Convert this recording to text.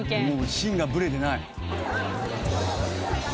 もう芯がぶれてない。